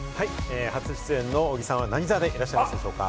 初出演の小木さんは何座でいらっしゃいますか？